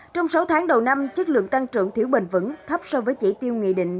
trong sáu tháng đầu năm chất lượng tăng trưởng thiếu bền vững thấp so với chỉ tiêu nghị định